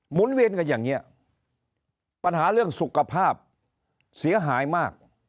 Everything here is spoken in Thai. เวียนกันอย่างนี้ปัญหาเรื่องสุขภาพเสียหายมาก